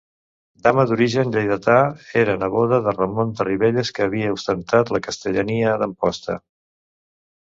Dama d'origen lleidatà, era neboda de Ramon de Ribelles, que havia ostentat la castellania d'Amposta.